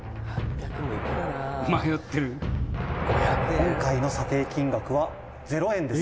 「今回の査定金額は０円です」